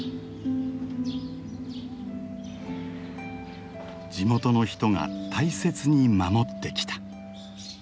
地元の人が大切に守ってきた。